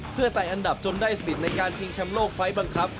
เพื่อไต่อันดับจนได้สิทธิ์ในการชิงแชมป์โลกไฟล์บังคับ